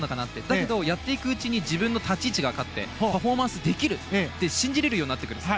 だけど、やっていくうちに自分の立ち位置が分かってパフォーマンスできるって信じれるようになってくるんです。